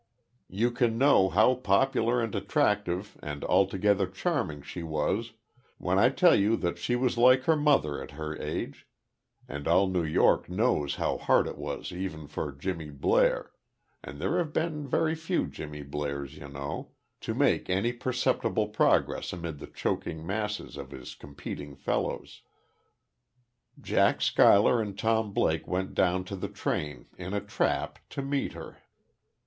You can know, how popular and attractive and altogether charming she was when I tell you that she was like her mother at her age; and all New York knows how hard it was even for Jimmy Blair and there have been very few Jimmy Blairs, you know to make any perceptible progress amid the choking masses of his competing fellows. Jack Schuyler and Tom Blake went down to the train, in a trap, to meet her.